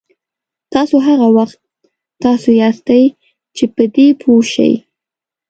تاسو هغه وخت تاسو یاستئ چې په دې پوه شئ.